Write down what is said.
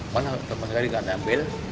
mana teman teman sekali gak ambil